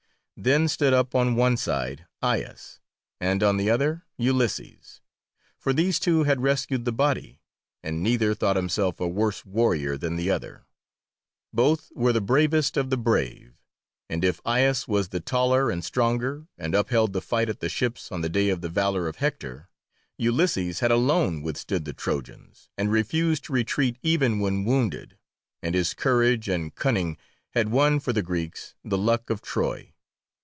Then stood up on one side Aias and on the other Ulysses, for these two had rescued the body, and neither thought himself a worse warrior than the other. Both were the bravest of the brave, and if Aias was the taller and stronger, and upheld the fight at the ships on the day of the valour of Hector; Ulysses had alone withstood the Trojans, and refused to retreat even when wounded, and his courage and cunning had won for the Greeks the Luck of Troy.